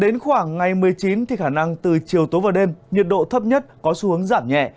ngày một mươi chín khả năng từ chiều tối vào đêm nhiệt độ thấp nhất có xu hướng giảm nhẹ